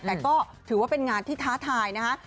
แต่ก็ถือว่าเป็นงานที่ท้าทายนะฮะ